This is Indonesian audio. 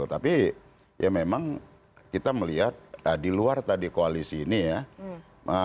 tapi ya memang kita melihat di luar tadi koalisi ini ya